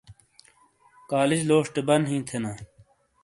کالج لوشٹے بن ھی تھے نا